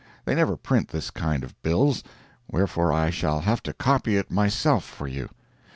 They never print this kind of bills—wherefore I shall have to copy it myself for you.